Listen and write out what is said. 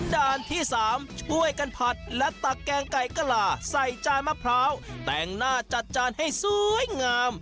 ด้านที่๓ช่วยกันผัดและตักแกงไก่กะลาใส่จานมะพร้าวแต่งหน้าจัดจานให้สวยงาม